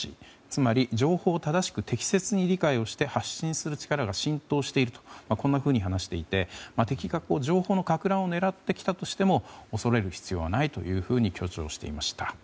つまり情報を正しく適切に理解をして発信する力が浸透しているとこんなふうに話していて敵が情報のかく乱を狙ってきたとしても恐れる必要はないと強調していました。